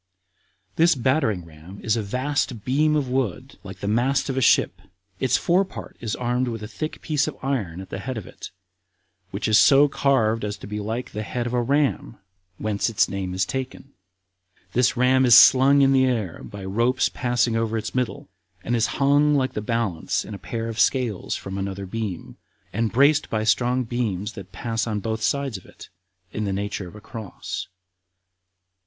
This battering ram is a vast beam of wood like the mast of a ship, its forepart is armed with a thick piece of iron at the head of it, which is so carved as to be like the head of a ram, whence its name is taken. This ram is slung in the air by ropes passing over its middle, and is hung like the balance in a pair of scales from another beam, and braced by strong beams that pass on both sides of it, in the nature of a cross.